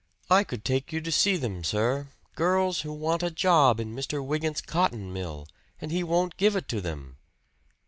I could take you to see them, sir girls who want a job in Mr. Wygant's cotton mill, and he won't give it to them!"